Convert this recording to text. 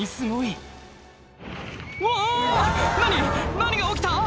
何が起きた？